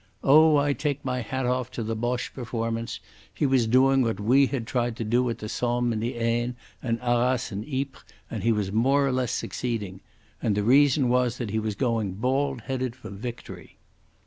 Oh, I take my hat off to the Boche performance. He was doing what we had tried to do at the Somme and the Aisne and Arras and Ypres, and he was more or less succeeding. And the reason was that he was going bald headed for victory.